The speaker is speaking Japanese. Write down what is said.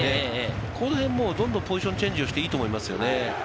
この辺もどんどんポジションチェンジをしていいと思いますよね。